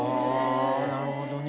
なるほどね。